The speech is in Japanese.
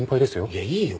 いやいいよ。